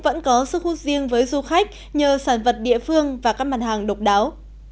vẫn có sức hút riêng với du khách nhờ sản vật địa phương và các mặt hàng độc đáo